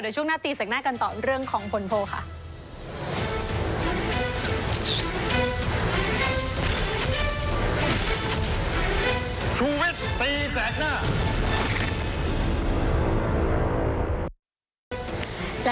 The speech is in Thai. เดี๋ยวช่วงหน้าตีแสดงหน้ากันต่อเรื่องของผลโภค่ะ